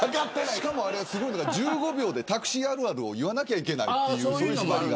しかも、すごいのが１５秒でタクシーあるあるを言わなきゃいけないということで。